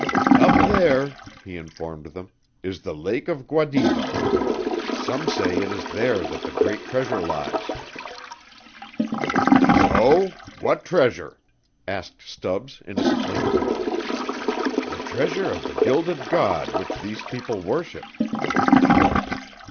"Up there," he informed them, "is the lake of Guadiva. Some say it is there that the great treasure lies." "So? What treasure?" asked Stubbs, innocently. "The treasure of the Gilded God which these people worship."